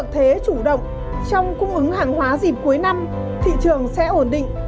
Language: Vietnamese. chủ động trong cung ứng hàng hóa dịp cuối năm thị trường sẽ ổn định